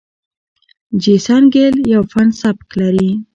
جیسن ګیل یو فن سبک لري.